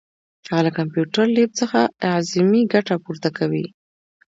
هغه له کمپیوټر لیب څخه اعظمي ګټه پورته کوي.